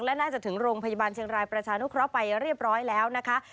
และน่าจะถึงโรงพยาบาลเชียงรายประชานุเคราะห์ไปเรียบร้อยแล้วนะคะ